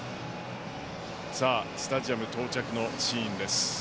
さあスタジアム到着のシーンです。